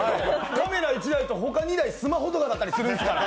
カメラ１台とほか２台、スマホだったりするんですから。